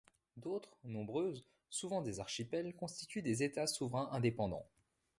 D'autres, nombreuses, souvent des archipels, constituent des États souverains indépendants.